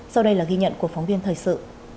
sau đây là ghi nhận của phóng viên thời sự